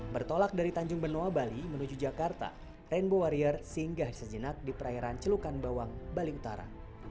bertolak dari tanjung benoa bali menuju jakarta rainbow warrior singgah sejenak di perairan celukan bawang bali utara